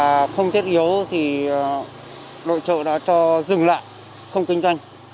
và không thiết yếu thì đội trộm đã cho dừng lại không kinh doanh